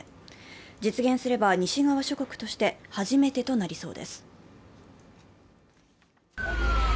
実現すれば、西側諸国として初めてとなりそうです。